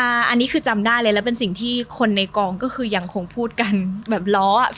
อันนี้คือจำได้เลยแล้วเป็นสิ่งที่คนในกองก็คือยังคงพูดกันแบบล้ออ่ะ